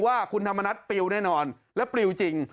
ว่าคุณธรรมนัฐปลิวแน่นอนและปลิวจริง